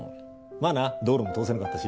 まあな道路も通せなかったし。